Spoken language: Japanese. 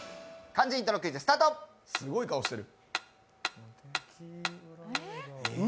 すごい顔してる。